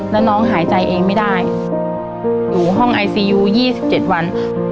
แล้วน้องหายใจเองไม่ได้อยู่ห้องไอซียูยี่สิบเจ็ดวัน